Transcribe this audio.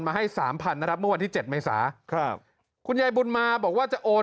มาให้๓๐๐๐นะครับวันที่๗เมษาครับคุณยายบุญมาบอกว่าจะโอน